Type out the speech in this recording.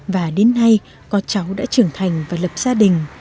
và đến nay có cháu đã trưởng thành và lập gia đình